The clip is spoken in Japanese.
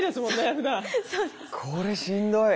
これしんどい。